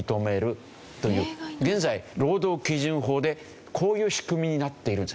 現在労働基準法でこういう仕組みになっているんです。